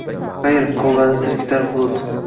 Xayr, qoʻllarini silkitar bulut